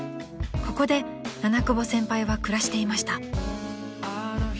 ［ここで七久保先輩は暮らしていました］